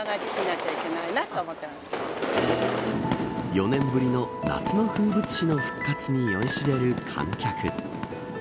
４年ぶりの夏の風物詩の復活に酔いしれる観客。